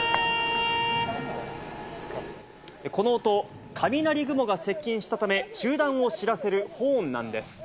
この音、雷雲が接近したため、中断を知らせるホーンなんです。